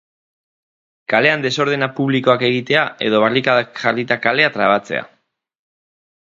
Kalean desordena publikoak egitea edo barrikadak jarrita kalea trabatzea.